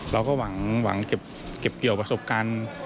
เราก็หวังเก็บเกี่ยวประสบการณ์